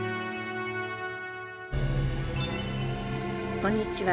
こんにちは。